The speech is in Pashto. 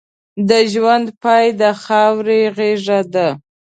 د ژوند پای د خاورې غېږه ده.